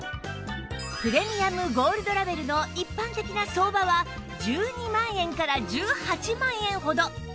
プレミアムゴールドラベルの一般的な相場は１２万円から１８万円ほど